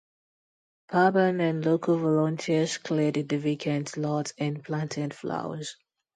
Pabon and local volunteers cleared the vacant lot and planted flowers.